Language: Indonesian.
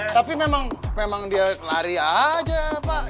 tapi memang dia lari aja pak